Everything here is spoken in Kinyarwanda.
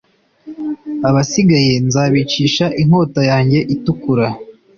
abasigaye nzabicisha inkota yange itukura